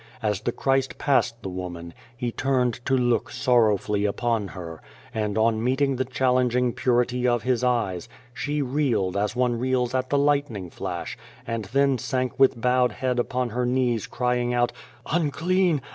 As the Christ passed the woman, He turned to look sorrow fully upon her, and on meeting the challenging purity of His eyes, she reeled as one reels at the lightning flash, and then sank with bowed head upon her knees, crying out, " Unclean